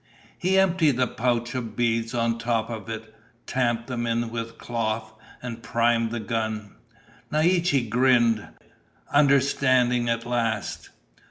He emptied the pouch of beads on top of it, tamped them in with cloth, and primed the gun. Naiche grinned, understanding at last.